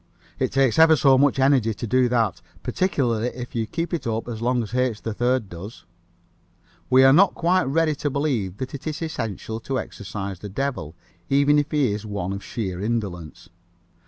It takes ever so much energy to do that, particularly if you keep it up as long as H. 3rd does. We are not quite ready to believe that it is essential to exorcise the devil, even if he is one of sheer indolence.